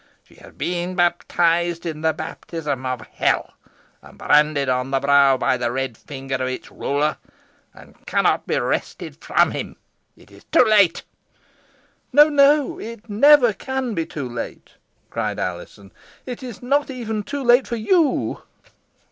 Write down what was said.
She has been baptised in the baptism of hell, and branded on the brow by the red finger of its ruler, and cannot be wrested from him. It is too late." "No, no it never can be too late!" cried Alizon. "It is not even too late for you."